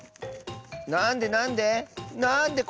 なんでなんで？